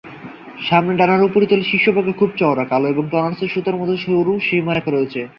সামনের ডানার উপরিতলের শীর্ষভাগ খুব চওড়া কালো এবং টর্নাস এ সুতোর মত সরু সীমারেখা রয়েছে।